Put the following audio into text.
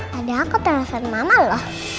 padahal aku terasa sama mama loh